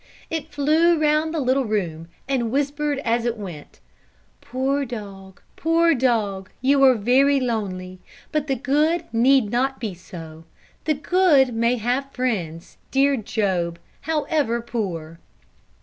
It flew round the little room, and whispered as it went: "Poor dog, poor dog, you are very lonely; but the good need not be so; the good may have friends, dear Job, however poor!"